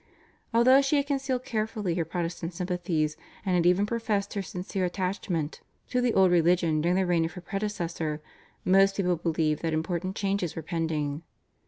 Although she had concealed carefully her Protestant sympathies, and had even professed her sincere attachment to the old religion during the reign of her predecessor, most people believed that important changes were pending.